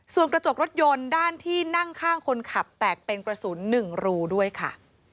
ส่วนกระจกรถยนต์ด้านที่นั่งข้างคนขับแตกเป็นกระสุน๑รูด้วยค่ะ